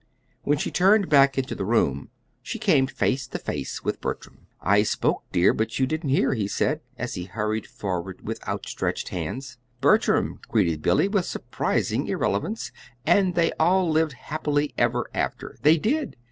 When she turned back into the room she came face to face with Bertram. "I spoke, dear, but you didn't hear," he said, as he hurried forward with outstretched hands. "Bertram," greeted Billy, with surprising irrelevance, "'and they all lived happily ever after' they DID!